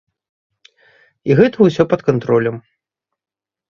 І гэта ўсё пад кантролем.